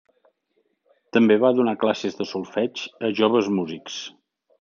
També va donar classes de solfeig a joves músics.